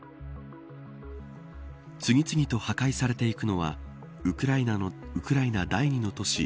次々と破壊されていくのはウクライナ第２の都市